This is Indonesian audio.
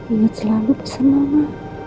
ingat selalu pasal mama